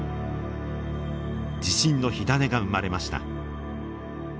地震の火種が生まれました。